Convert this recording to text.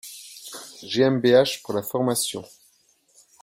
GmbH pour la formation.